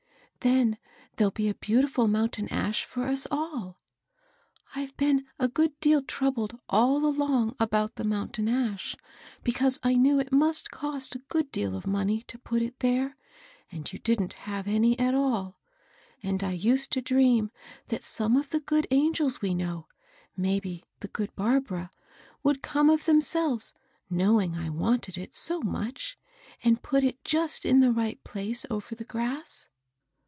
Then there'll be a beautiful mountain ash for us all. I've been a good deal troubled all along about the mountam ash, because I knew it must cost a good deal of money to put it there, and you didn't have any at all ; and I used to dream that some of the good angels we know, — maybe the good Barbara, — would come of them selves, knowing I wanted it so much, and put it just in the right place over the grass.